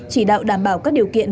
chỉ đạo đảm bảo các điều kiện